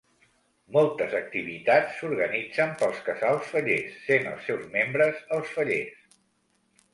Moltes activitats s'organitzen pels casals fallers, sent els seus membres els fallers.